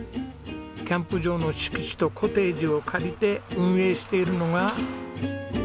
キャンプ場の敷地とコテージを借りて運営しているのが。